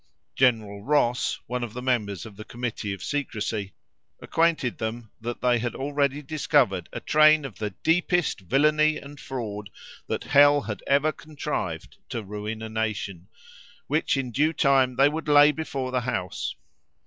General Ross, one of the members of the Committee of Secrecy, acquainted them that they had already discovered a train of the deepest villany and fraud that hell had ever contrived to ruin a nation, which in due time they would lay before the House.